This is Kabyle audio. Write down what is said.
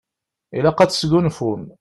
Ilaq ad tesgunfum.